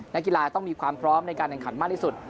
นักกีฬาต้องมีความพร้อมในการแข่งขันมากที่สุด